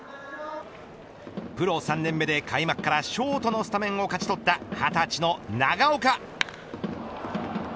プロ３年目で開幕からショートのスタメンを勝ち取った２０歳の長岡。